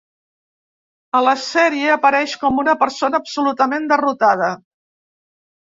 A la sèrie apareix com una persona absolutament derrotada.